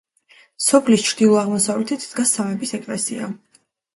სოფლის ჩრდილო-აღმოსავლეთით დგას სამების ეკლესია.